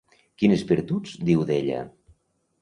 Quines virtuts diu d'ella?